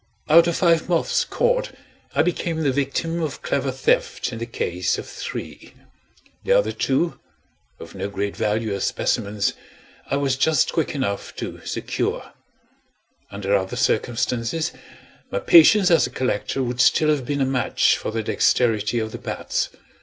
Out of five moths caught, I became the victim of clever theft in the case of three. The other two, of no great value as specimens, I was just quick enough to secure. Under other circumstances, my patience as a collector would still have been a match for the dexterity of the bats.